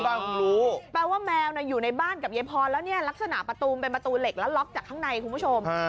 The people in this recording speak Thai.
คงรู้แปลว่าแมวอยู่ในบ้านกับยายพรแล้วเนี่ยลักษณะประตูเป็นประตูเหล็กแล้วล็อกจากข้างในคุณผู้ชม